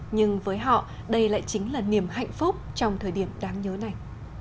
nhưng với họ đây lại chính là niềm hạnh phúc trong thời điểm đáng nhớ này